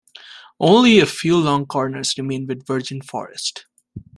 Only a few long corners remain with virgin forest.